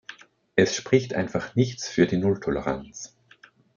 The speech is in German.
Es spricht einfach nichts für die Nulltoleranz.